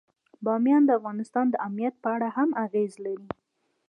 بامیان د افغانستان د امنیت په اړه هم اغېز لري.